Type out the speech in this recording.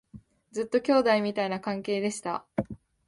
ずっと兄弟みたいな関係でした